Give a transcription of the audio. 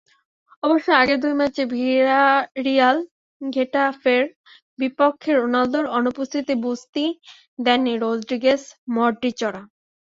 অবশ্য আগের দুই ম্যাচে ভিয়ারিয়াল-গেটাফের বিপক্ষে রোনালদোর অনুপস্থিতি বুঝতেই দেননি রদ্রিগেজ-মডরিচরা।